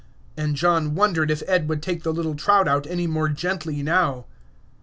And John wondered if Ed would take the little trout out any more gently now.